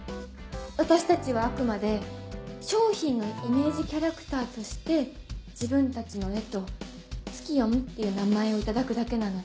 私たちはあくまで商品のイメージキャラクターとして自分たちの絵とツキヨンっていう名前を頂くだけなので。